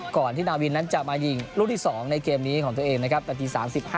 ก่อนที่นาวินนั้นจะมายิงลูกที่๒ในเกมนี้ของตัวเองนะครับนาที๓๕